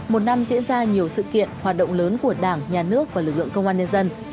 một năm diễn ra nhiều sự kiện hoạt động lớn của đảng nhà nước và lực lượng công an nhân dân